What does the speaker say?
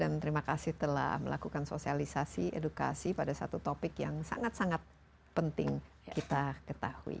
terima kasih telah melakukan sosialisasi edukasi pada satu topik yang sangat sangat penting kita ketahui